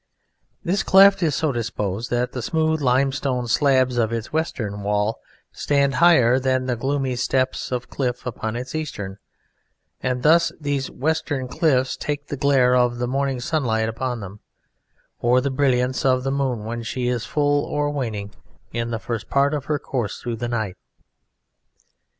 This cleft is so disposed that the smooth limestone slabs of its western wall stand higher than the gloomy steps of cliff upon its eastern, and thus these western cliffs take the glare of the morning sunlight upon them, or the brilliance of the moon when she is full or waning in the first part of her course through the night.